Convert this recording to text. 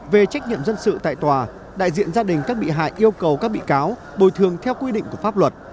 về trách nhiệm dân sự tại tòa đại diện gia đình các bị hại yêu cầu các bị cáo bồi thường theo quy định của pháp luật